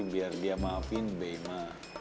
biar dia maafin be ma